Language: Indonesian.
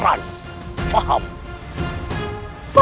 aku yang di depan